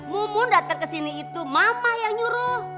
mumun dateng kesini itu mama yang nyuruh